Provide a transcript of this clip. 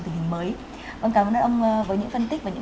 trong tình hình mới